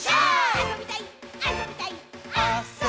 あそびたいっ！！」